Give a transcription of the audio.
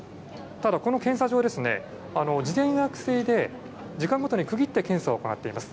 ただ、この検査場ですね、事前予約制で、時間ごとに区切って検査を行っています。